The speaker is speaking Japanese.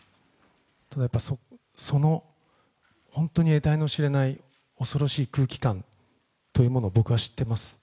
ただ、その本当に得体の知れない恐ろしい空気感というのを僕は知ってます。